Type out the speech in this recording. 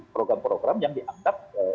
program program yang dianggap